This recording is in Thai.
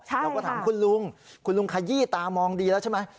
เราก็ถามคุณลุงคุณลุงขยี้ตามองดีแล้วใช่ไหม